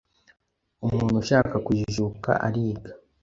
Umuntu ushaka kujijuka ariga